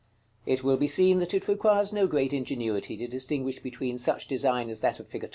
It will be seen that it requires no great ingenuity to distinguish between such design as that of fig.